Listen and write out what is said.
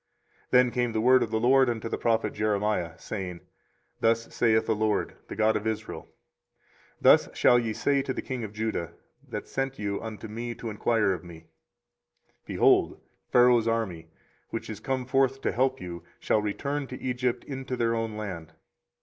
24:037:006 Then came the word of the LORD unto the prophet Jeremiah saying, 24:037:007 Thus saith the LORD, the God of Israel; Thus shall ye say to the king of Judah, that sent you unto me to enquire of me; Behold, Pharaoh's army, which is come forth to help you, shall return to Egypt into their own land.